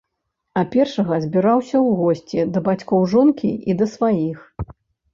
А першага збіраўся ў госці да бацькоў жонкі і да сваіх.